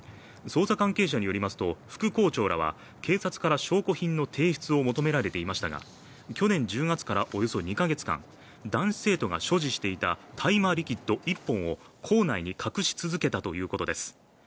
捜査関係者によりますと副校長らは警察から証拠品の提出を求められていましたが去年１０月からおよそ２か月間男子生徒が所持していた大麻リキッド１本を校内に隠し続けたということです